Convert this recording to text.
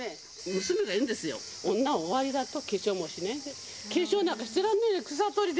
娘が言うんですよ、女は終わりだと、化粧もしねえで。